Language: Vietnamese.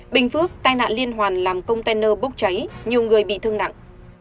bình phước tai nạn liên hoàn làm container bốc cháy nhiều người bị thương nặng